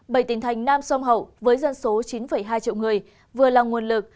bảy tỉnh thành nam sông hậu với dân số chín hai triệu người vừa là nguồn lực